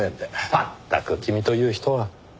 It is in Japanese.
まったく君という人は。